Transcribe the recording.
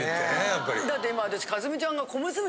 だって今私。